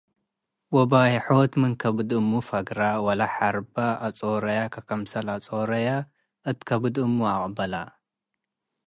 ወበይሖት ምን ከብድ እሙ' ፈግረ ወለሐርባ አጾረየ ወክምሰል አጾረየ እት ከብድ እሙ' ዐቅበለ።